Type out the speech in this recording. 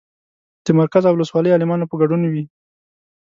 د مرکز او ولسوالۍ عالمانو په ګډون وي.